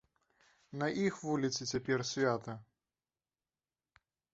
На іх вуліцы цяпер свята.